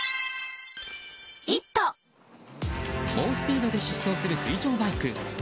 猛スピードで疾走する水上バイク。